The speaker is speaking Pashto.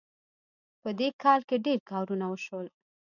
په دې کال کې ډېر کارونه وشول